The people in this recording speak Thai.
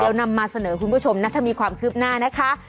เดี๋ยวนำมาเสนอคุณผู้ชมนะถ้ามีความคืบหน้านะคะ